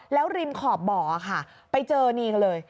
แล้วริมขอบบ่อค่ะไปเจอนี่ก็เลย